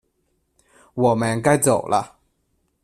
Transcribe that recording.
我们该走了